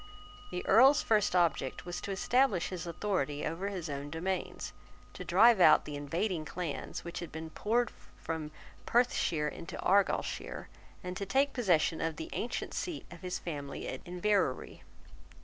The Earl's first object was to establish his authority over his own domains, to drive out the invading clans which had been poured from Perthshire into Argyleshire, and to take possession of the ancient seat of his family at Inverary.